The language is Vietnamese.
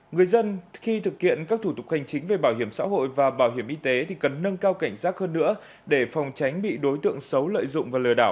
người dân khi thực hiện các thủ tục hành chính về bảo hiểm xã hội và bảo hiểm y tế thì cần nâng cao cảnh giác hơn nữa để phòng tránh bị đối tượng xấu lợi dụng và lừa đảo